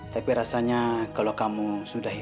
tapi rasanya kalau kamu sudah ingin